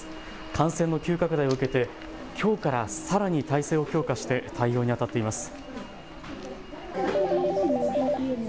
感染の急拡大を受けてきょうからさらに体制を強化して対応にあたっています。